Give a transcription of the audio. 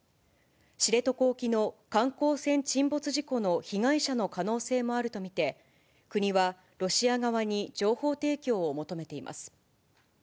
知床沖の観光船沈没事故の被害者の可能性もあると見て、国はロシア側に情報提供を求めています。